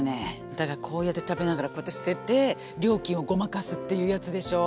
だからこうやって食べながらこうやって捨てて料金をごまかすっていうやつでしょう？